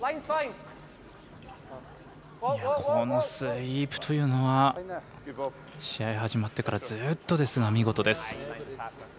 このスイープというのは試合始まってからずっとですが、見事です。